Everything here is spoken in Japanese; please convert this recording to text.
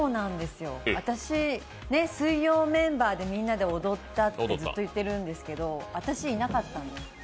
私、水曜メンバーでみんなで踊ったってずっと言ってるんですけど、私いなかったんです。